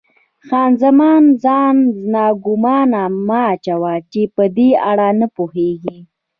خان زمان: ځان ناګومانه مه اچوه، چې په دې اړه نه پوهېږې.